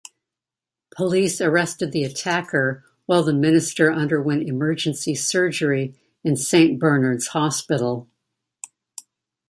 Police arrested the attacker while the Minister underwent emergency surgery in Saint Bernard's Hospital.